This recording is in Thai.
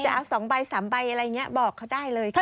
จะเอาสองใบสามใบอะไรเนี้ยบอกเค้าได้เลยค่ะ